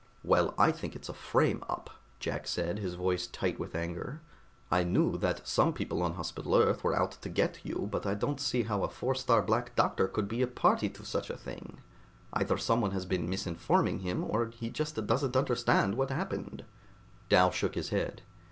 "Well, I think it's a frame up," Jack said, his voice tight with anger. "I knew that some people on Hospital Earth were out to get you, but I don't see how a Four star Black Doctor could be a party to such a thing. Either someone has been misinforming him, or he just doesn't understand what happened." Dal shook his head.